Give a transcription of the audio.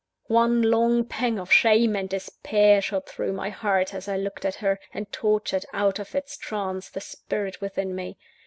One long pang of shame and despair shot through my heart as I looked at her, and tortured out of its trance the spirit within me.